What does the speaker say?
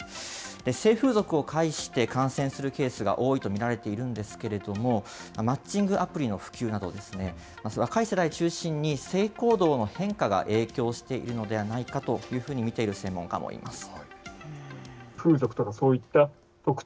性風俗を介して感染するケースが多いと見られているんですけれども、マッチングアプリの普及など、若い世代を中心に性行動の変化が影響しているのではないかというふうに見ている専門家もいます。